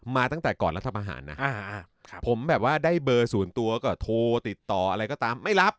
มาตั้งแต่ก่อนรัฐมนาภาพผมได้เบอร์ศูนย์ตัวก็โทรติดต่อครั้งตั้งไม่รับ